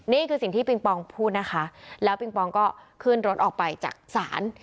นี่คือสิ่งที่ปิงปองพูดนะคะแล้วปิงปองก็ขึ้นรถออกไปจากศาล